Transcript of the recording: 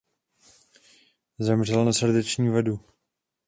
Zemřel na srdeční vadu.